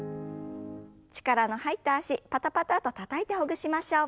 力の入った脚パタパタッとたたいてほぐしましょう。